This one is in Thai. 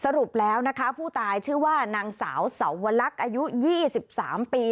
สรุปแล้วนะคะผู้ตายชื่อว่านางสาวสวรรคอายุ๒๓ปี